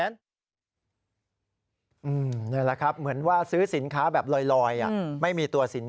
นี่แหละครับเหมือนว่าซื้อสินค้าแบบลอยไม่มีตัวสินค้า